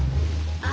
あ